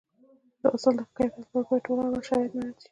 د حاصل د ښه کیفیت لپاره باید ټول اړوند شرایط مراعات شي.